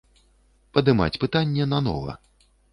Падымаць пытанне на нова.